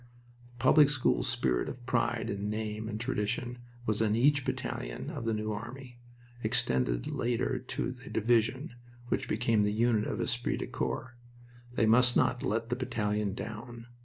The public school spirit of pride in name and tradition was in each battalion of the New Army, extended later to the division, which became the unit of esprit de corps. They must not "let the battalion down."